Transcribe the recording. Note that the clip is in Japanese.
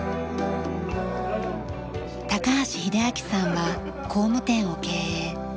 橋秀彰さんは工務店を経営。